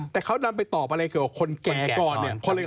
แต่เขานำไปตอบอะไรเกี่ยวกับคนแก่ก่อนเนี่ย